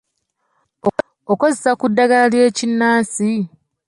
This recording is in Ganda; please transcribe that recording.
Okozesa ku ddagala ly’ekinnansi?